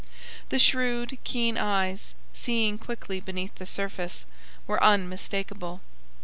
The shrewd, keen eyes, seeing quickly beneath the surface, were unmistakable.